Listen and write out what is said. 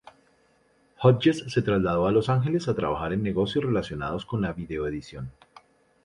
Hodges se trasladó a Los Ángeles a trabajar en negocios relacionados con la vídeo-edición.